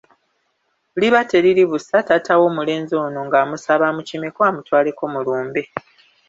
Liba teriri busa, taata w'omulenzi ono ng'amusaba amukimeko amutwaleko mu lumbe